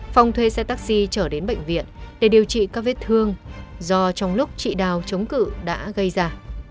phong thuê xe taxi trở đến bệnh viện để điều trị các vết thương do trong lúc chị đào chống cự đã gây ra